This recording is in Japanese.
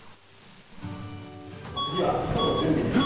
次は糸の準備です。